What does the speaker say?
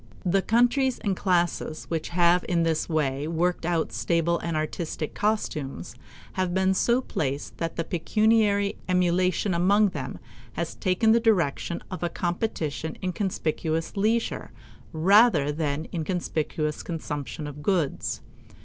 The countries and classes which have in this way worked out stable and artistic costumes have been so placed that the pecuniary emulation among them has taken the direction of a competition in conspicuous leisure rather than in conspicuous consumption of goods.